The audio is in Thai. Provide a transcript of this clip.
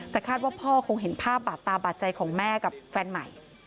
แต่คาดว่าพ่อคงเห็นภาพบาดตาบาดใจของแม่กับแฟนใหม่